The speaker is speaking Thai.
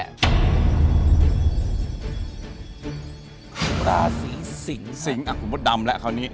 กราศีสิงค์ค่ะสิงค์อ่ะผมว่าดำแล้วคราวนี้